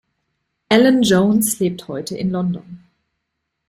Allen Jones lebt heute in London.